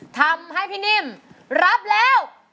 ทำให้พี่นิ่มรับแล้ว